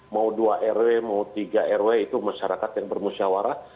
mau dua rw mau tiga rw itu masyarakat yang bermusyawarah